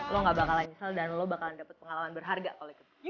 lo gak bakalan nyesel dan lo bakalan dapet pengalaman berharga kalau ikut gue